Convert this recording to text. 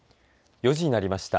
４時になりました。